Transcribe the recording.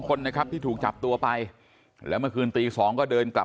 คนนะครับที่ถูกจับตัวไปแล้วเมื่อคืนตีสองก็เดินกลับ